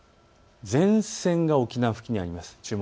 前線が沖縄付近にあります。